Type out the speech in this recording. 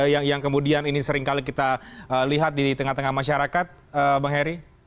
yang kemudian ini seringkali kita lihat di tengah tengah masyarakat bang heri